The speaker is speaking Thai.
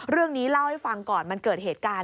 เล่าให้ฟังก่อนมันเกิดเหตุการณ์